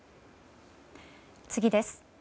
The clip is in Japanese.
次です。